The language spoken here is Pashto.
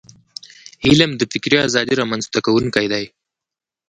علم د فکري ازادی رامنځته کونکی دی.